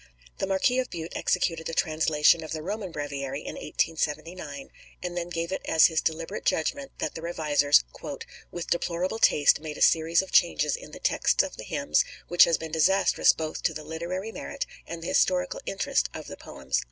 The Marquis of Bute executed a translation of the Roman Breviary in 1879, and then gave it as his deliberate judgment that the revisers, "with deplorable taste made a series of changes in the texts of the hymns which has been disastrous both to the literary merit and the historical interest of the poems."